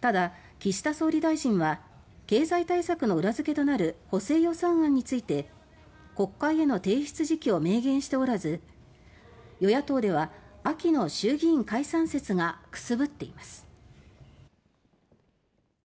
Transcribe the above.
ただ、岸田総理大臣は経済対策の裏付けとなる補正予算案について国会への提出時期を明言しておらず与野党では、秋の衆議院解散説がくすぶっています。